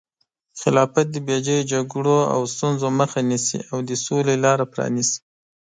خلافت د بې ځایه جګړو او ستونزو مخه نیسي او د سولې لاره پرانیزي.